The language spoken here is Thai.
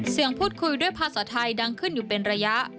พูดคุยด้วยภาษาไทยดังขึ้นอยู่เป็นระยะ